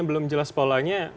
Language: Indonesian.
belum jelas polanya